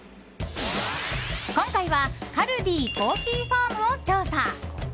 今回はカルディコーヒーファームを調査。